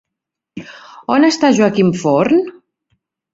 On està Joaquim Forn?